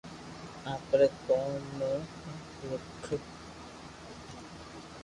آپري ڪوم مون موم رک